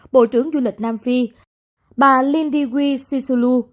bộ trưởng du lịch nam phi bà lindywee sisulu